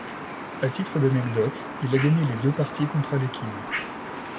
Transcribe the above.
À titre d'anecdote, il a gagné les deux parties contre Alekhine.